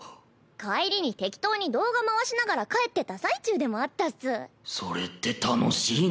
帰りに適当に動画回しながら帰ってた最中でもあったっス。